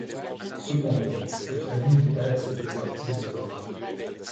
Cependant, cette famille n'est pas acceptée par tous les auteurs.